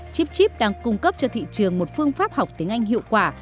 chipchip đang cung cấp cho thị trường một phương pháp học tiếng anh hiệu quả